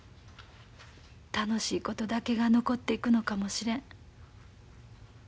楽しいことだけが残っていくのかもしれん。